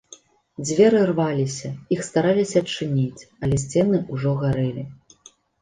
Дзверы рваліся, іх стараліся адчыніць, але сцены ўжо гарэлі.